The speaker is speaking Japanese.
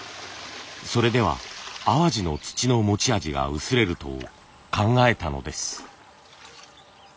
それでは淡路の土の持ち味が薄れると考えたのです。